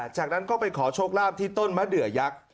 จากนั้นก็ไปขอโชคลาภที่ต้นมะเดือยักษ์